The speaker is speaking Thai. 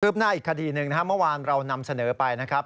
ฮึบหน้าอีกคดีหนึ่งเมื่อวานเรานำเสนอไปครับ